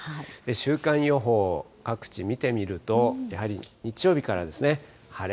週間予報、各地見てみると、やはり日曜日からですね、晴れ。